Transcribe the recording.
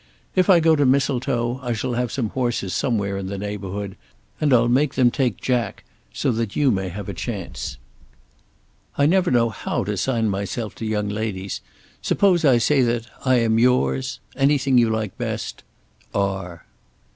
If I go to Mistletoe I shall have some horses somewhere in the neighbourhood and I'll make them take Jack, so that you may have a chance. I never know how to sign myself to young ladies. Suppose I say that I am yours, Anything you like best, R.